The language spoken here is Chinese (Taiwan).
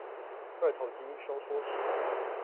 二頭肌收縮時